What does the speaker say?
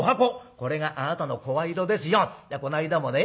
こないだもね